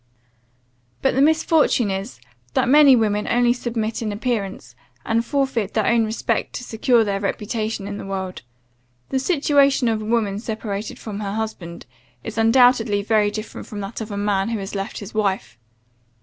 "But the misfortune is, that many women only submit in appearance, and forfeit their own respect to secure their reputation in the world. The situation of a woman separated from her husband, is undoubtedly very different from that of a man who has left his wife.